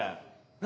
何？